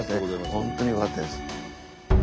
本当によかったです。